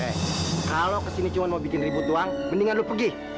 kalau kesini cuma mau bikin ribut doang mendingan lu pergi